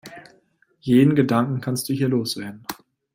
Jeden Gedanken kannst du hier loswerden.